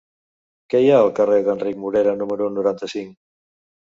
Què hi ha al carrer d'Enric Morera número noranta-cinc?